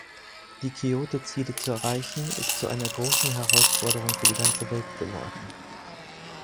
Die Kyoto-Ziele zu erreichen, ist zu einer großen Herausforderung für die ganze Welt geworden.